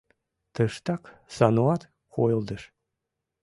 Тыштак Сануат койылдыш.